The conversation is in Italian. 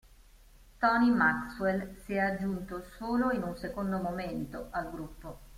Tony Maxwell si è aggiunto solo in un secondo momento al gruppo.